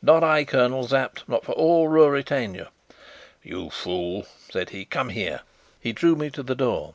"Not I, Colonel Sapt; not for all Ruritania." "You fool!" said he. "Come here." He drew me to the door.